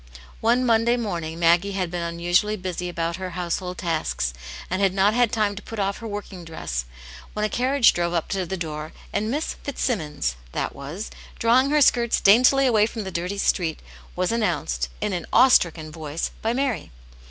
One Monday morning Maggie had been unusually busy about her household tasks, and had not had time to put off her working dress when a carriage drove up to the door, and Miss Fitzsimmons " that was," drawing her skirts daintily away from the dirty street, was announced, in an awe stricken voice, by Mary.